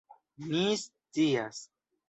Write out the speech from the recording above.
Ni scias!